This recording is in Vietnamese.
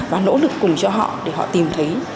và nỗ lực cùng cho họ để họ tìm thấy